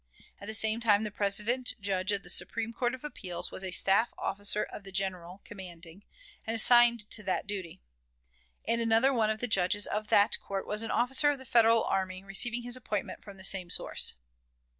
At the same time the President Judge of the Supreme Court of Appeals was a staff officer of the General commanding, and assigned to that duty; and another one of the judges of that court was an officer of the Federal army, receiving his appointment from the same source.